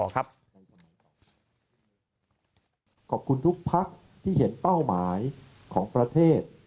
ขอบคุณทุกพักที่เห็นเป้าหมายของประเทศ